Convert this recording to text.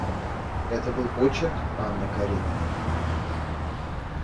Это был почерк Анны Карениной.